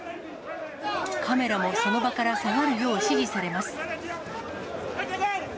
カメラもその場から下がるよう指示されます。